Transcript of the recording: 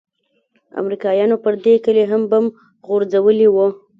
امريکايانو پر دې كلي هم بم غورځولي وو.